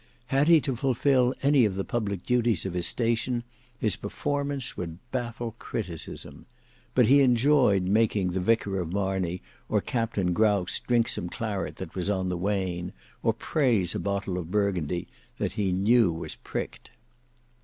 Had he to fulfil any of the public duties of his station, his performance would baffle criticism. But he enjoyed making the Vicar of Marney or Captain Grouse drink some claret that was on the wane, or praise a bottle of Burgundy that he knew was pricked.